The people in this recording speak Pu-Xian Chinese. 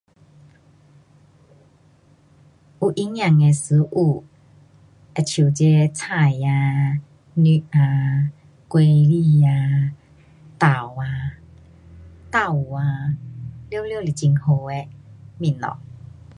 有营养的食物好像这菜啊,肉啊,水果啊，豆啊，豆腐啊，全部是很好的东西。